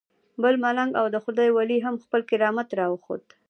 بل ملنګ او د خدای ولی هم خپل کرامت راوښود.